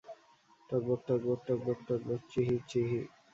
টগবগ টগবগ টগবগ টগবগ, চিঁহি চিঁহি।